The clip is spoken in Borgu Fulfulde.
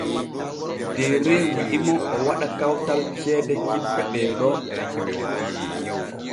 Deere wi’i mo o waɗa kawtal ceede cippe ɗee ɗo.